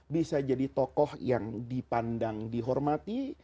bisa jadi tokoh yang dipandang dihormati